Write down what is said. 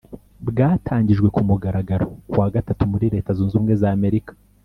bwatangijwe ku mugaragaro kuwa Gatatu muri Leta Zunze Ubumwe z’Amerika